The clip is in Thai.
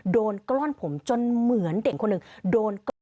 กล้อนผมจนเหมือนเด็กคนหนึ่งโดนก้อน